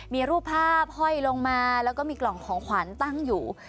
มีรูปภาพห้อยลงมาแล้วก็มีกล่องของขวัญตั้งอยู่